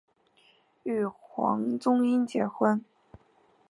与黄宗英结婚。